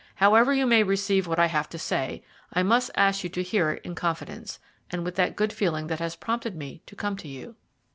However you may receive what I have to say, I must ask you to hear it in confidence, and with that good feeling that has prompted me to come to you."